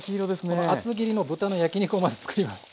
この厚切りの豚の焼き肉をまず作ります。